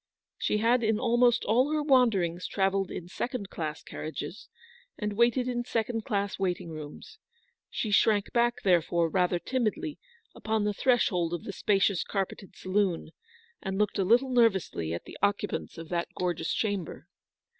She had in almost all her wanderings travelled in second class carriages, and waited in second class waiting rooms. She shrank back, therefore, rather timidly upon the threshold of the spacious carpeted saloon, and looked a little nervously at the occupants of that gorgeous chamber.